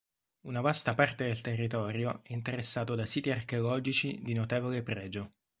Una vasta parte del territorio è interessato da siti archeologici di notevole pregio.